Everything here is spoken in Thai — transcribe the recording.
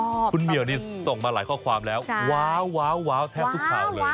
สตอเบอร์รี่คุณเมียวนี่ส่งมาหลายข้อความแล้วว้าวแทบทุกข่าวเลย